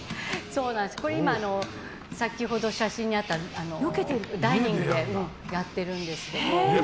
これ今先ほど写真にあったダイニングでやってるんですけど。